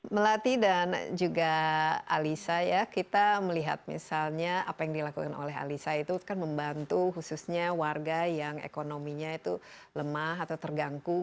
melati dan juga alisa ya kita melihat misalnya apa yang dilakukan oleh alisa itu kan membantu khususnya warga yang ekonominya itu lemah atau terganggu